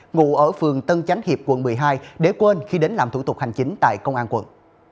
ngụ ở phường tân chánh hiệp quận một mươi hai để quên khi đến làm thủ tục hành chính tại công an quận